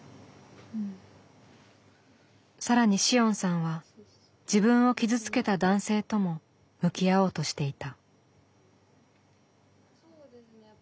更に紫桜さんは自分を傷つけた男性とも向き合おうとしていた。